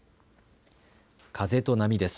風と波です。